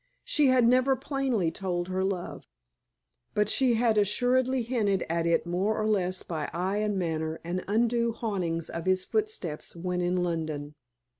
She had never plainly told her love; but she had assuredly hinted at it more or less by eye and manner and undue hauntings of his footsteps when in London.